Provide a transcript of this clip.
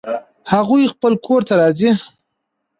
هغوی خپل کور ته راځي